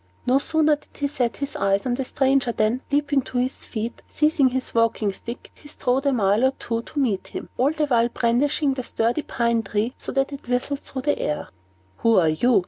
No sooner did he set eyes on the stranger, than, leaping on his feet, and seizing his walking stick, he strode a mile or two to meet him; all the while brandishing the sturdy pine tree, so that it whistled through the air. "Who are you?"